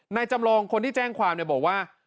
จำลองคนที่แจ้งความเนี่ยบอกว่า